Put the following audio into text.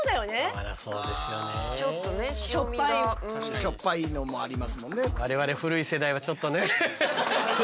しょっぱいのもありますもんね。